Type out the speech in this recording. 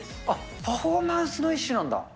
あっ、パフォーマンスの一種なんだ。